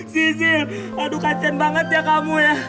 sisil aduh kasihan banget ya kamu ya